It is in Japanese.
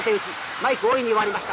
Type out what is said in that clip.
マイク強引に終わりました。